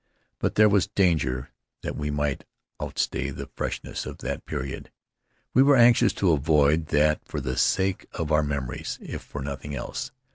But there was danger that we might outstay the freshness of that period. We were anxious to avoid that for the sake of our memories, if for nothing else.